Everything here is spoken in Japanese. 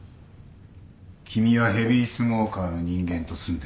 君はヘビースモーカーの人間と住んでいる。